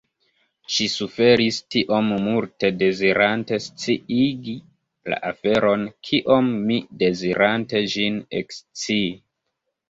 Ŝi suferis tiom multe dezirante sciigi la aferon kiom mi dezirante ĝin ekscii.